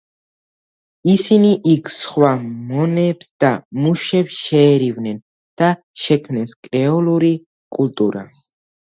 ისინი იქ სხვა მონებს და მუშებს შეერივნენ და შექმნეს კრეოლური კულტურა.